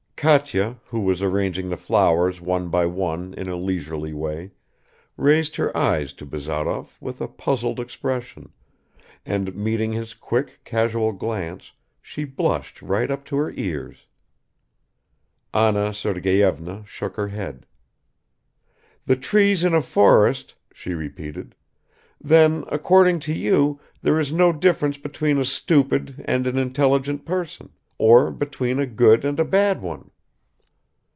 Katya, who was arranging the flowers one by one in a leisurely way, raised her eyes to Bazarov with a puzzled expression, and meeting his quick casual glance, she blushed right up to her ears. Anna Sergeyevna shook her head. "The trees in a forest," she repeated. "Then according to you there is no difference between a stupid and an intelligent person, or between a good and a bad one."